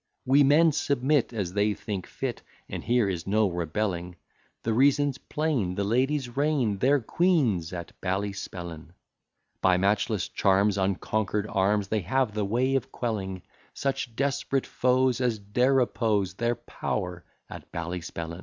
We men submit as they think fit, And here is no rebelling: The reason's plain; the ladies reign, They're queens at Ballyspellin. By matchless charms, unconquer'd arms, They have the way of quelling Such desperate foes as dare oppose Their power at Ballyspellin.